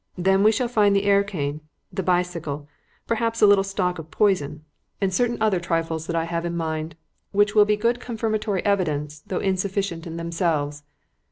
Then we shall find the air cane, the bicycle, perhaps a little stock of poison, and certain other trifles that I have in my mind, which will be good confirmatory evidence, though insufficient in themselves.